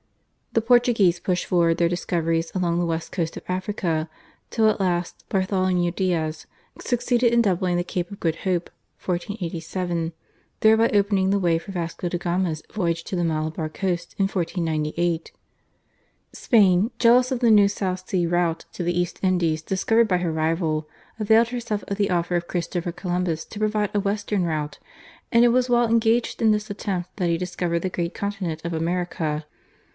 The Portuguese pushed forward their discoveries along the west coast of Africa till at last Bartholomew Diaz succeeded in doubling the Cape of Good Hope (1487), thereby opening the way for Vasco de Gama's voyage to the Malabar coast in 1498. Spain, jealous of the new south sea route to the East Indies discovered by her rival, availed herself of the offer of Christopher Columbus to provide a western route, and it was while engaged in this attempt that he discovered the great continent of America.